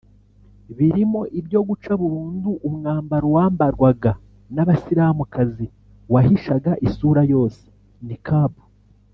birimo ibyo guca burundu umwambaro wambarwaga n’Abayisilamukazi wahishaga isura yose (Niqab)